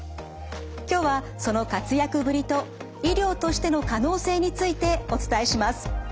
今日はその活躍ぶりと医療としての可能性についてお伝えします。